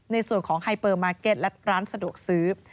ในส่วนของไฮเปอร์มาร์เก็ตและร้านสะดวกซื้อ